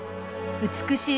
美しい